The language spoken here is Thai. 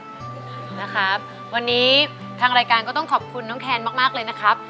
นะครับวันนี้ทางรายการก็ต้องขอบคุณน้องแคนมากเลยนะครับ